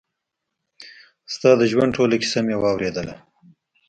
ستا د ژوند ټوله کيسه مې واورېدله.